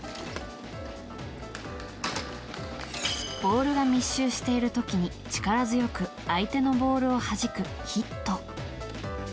ボールが密集している時に力強く相手のボールをはじくヒット。